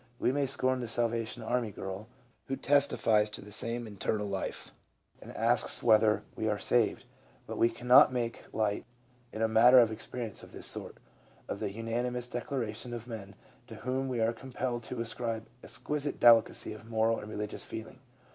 We may scorn the Salvation Army girl who testifies to the same internal life, and asks us whether we are saved ; but we cannot make light, in a matter of ex perience of this sort, of the unanimous declaration of men to whom we are compelled to ascribe exquisite delicacy of moral and religious feeling.